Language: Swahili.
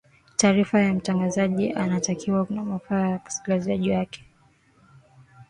taarifa ya mtangazaji inatakiwa na manufaa kwa waskilizaji wake